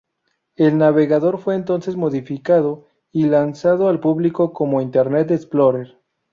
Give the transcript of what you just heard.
El navegador fue entonces modificado y lanzado al público como "Internet Explorer".